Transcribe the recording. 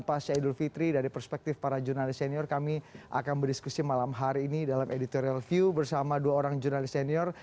pasca idul fitri dari perspektif para jurnalis senior kami akan berdiskusi malam hari ini dalam editorial view bersama dua orang jurnalis senior